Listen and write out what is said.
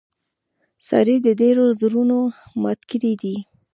سارې د ډېرو زړونه مات کړي دي.